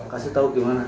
kasih tahu gimana